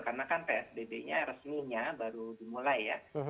karena kan psbb nya resminya baru dimulai ya